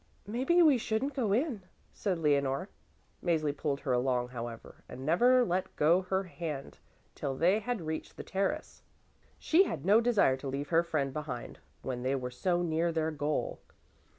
"Maybe we shouldn't go in," said Leonore. Mäzli pulled her along, however, and never let go her hand till they had reached the terrace; she had no desire to leave her friend behind when they were so near their goal.